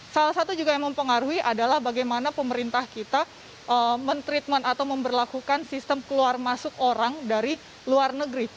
salah satu juga yang mempengaruhi adalah bagaimana pemerintah kita men treatment atau memperlakukan sistem keluar masuk orang dari luar negeri